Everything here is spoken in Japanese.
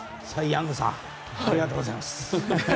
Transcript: ありがとうございます。